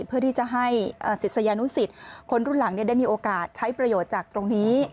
เพื่อที่จะให้ศิษยานุสิตคนรุ่นหลังได้มีโอกาสใช้ประโยชน์จากตรงนี้